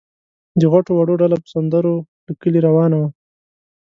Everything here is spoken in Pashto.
د غټو وړو ډله په سندرو له کلي روانه وه.